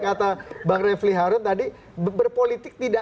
kata bang raffi harun tadi